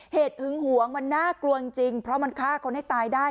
หึงหวงมันน่ากลัวจริงเพราะมันฆ่าคนให้ตายได้